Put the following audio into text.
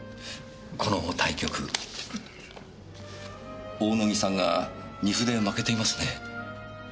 この対局大野木さんが二歩で負けていますね。